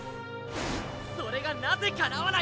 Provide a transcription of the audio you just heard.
それがなぜかなわない！